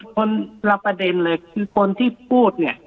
คนละประเด็นเลยคือคนที่พูดเนี่ย